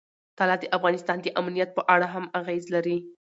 طلا د افغانستان د امنیت په اړه هم اغېز لري.